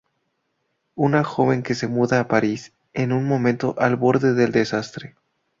Una joven que se muda a París en un momento al borde del desastre.